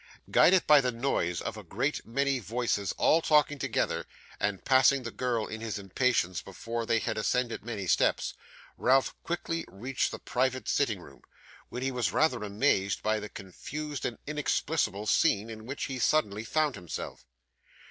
Guided by the noise of a great many voices all talking together, and passing the girl in his impatience, before they had ascended many steps, Ralph quickly reached the private sitting room, when he was rather amazed by the confused and inexplicable scene in which he suddenly found himself.